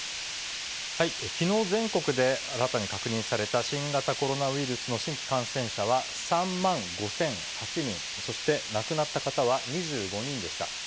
きのう、全国で新たに確認された新型コロナウイルスの新規感染者は、３万５００８人、そして亡くなった方は２５人でした。